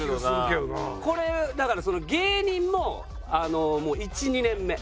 これだから芸人も１２年目。